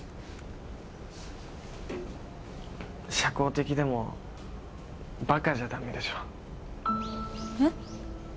社交的でもバカじゃダメでしょ？え？